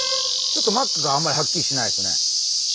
ちょっとマックがあんまりはっきりしてないですね。